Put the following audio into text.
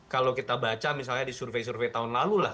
kalau kita baca misalnya di survei survei tahun lalu lah